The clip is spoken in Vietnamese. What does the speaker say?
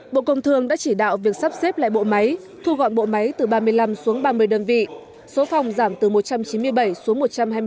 bộ công thương đã chỉ đạo việc sắp xếp lại bộ máy thu gọn bộ máy từ ba mươi năm xuống ba mươi đơn vị số phòng giảm từ một trăm chín mươi bảy xuống một trăm hai mươi ba